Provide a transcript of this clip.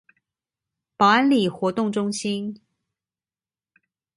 寶安里活動中心